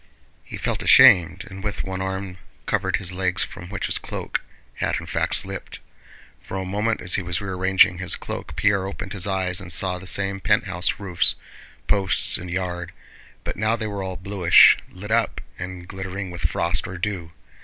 He felt ashamed, and with one arm covered his legs from which his cloak had in fact slipped. For a moment as he was rearranging his cloak Pierre opened his eyes and saw the same penthouse roofs, posts, and yard, but now they were all bluish, lit up, and glittering with frost or dew.